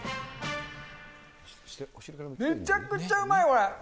めちゃくちゃうまい、これ。